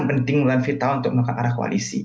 penting dan vital untuk menekan arah koalisi